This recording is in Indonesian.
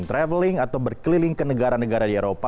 traveling atau berkeliling ke negara negara di eropa